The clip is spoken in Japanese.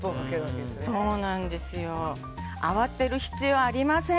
慌てる必要はありません。